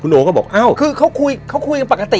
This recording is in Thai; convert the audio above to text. โอก็บอกอ้าวคือเขาคุยเขาคุยกันปกติ